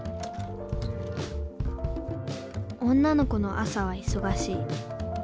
女の子の朝はいそがしい。